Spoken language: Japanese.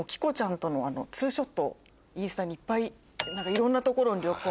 いろんな所に旅行。